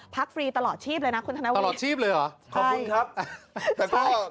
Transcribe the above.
พักฟรีตลอดชีพเลยนะคุณธนวินตลอดชีพเลยเหรอใช่ขอบคุณครับ